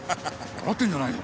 笑ってんじゃないよ。